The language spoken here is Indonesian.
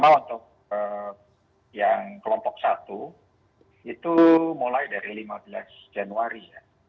pertama untuk yang kelompok satu itu mulai dari lima belas januari ya